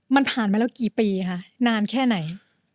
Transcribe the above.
มันผ่านมาแล้วกี่ปีคะนานแค่ไหน